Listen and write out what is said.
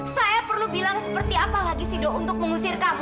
saya perlu bilang seperti apa lagi sih dok untuk mengusir kamu